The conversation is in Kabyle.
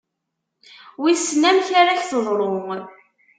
Wissen amek ara ak-teḍru.